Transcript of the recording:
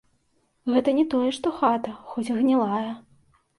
Гэта ні тое што хата, хоць гнілая.